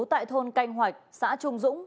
tại thôn canh hoạch xã trung dũng